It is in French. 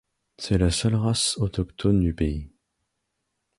C'est la seule race autochtone du pays.